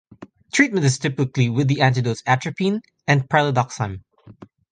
Treatment is typically with the antidotes, atropine and pralidoxime.